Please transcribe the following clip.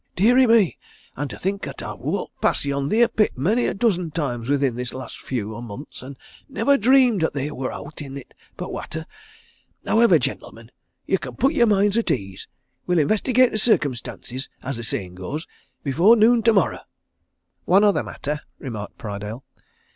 Deary me! An' to think 'at I've walked past yon theer pit many a dozen times within this last few o' months, and nivver dreamed 'at theer wor owt in it but watter! Howivver, gentlemen, ye can put yer minds at ease we'll investigate the circumstances, as the sayin' goes, before noon tomorrow." "One other matter," remarked Prydale.